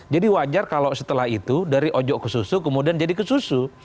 jadi wajar kalau setelah itu dari ojok ke susu kemudian jadi ke susu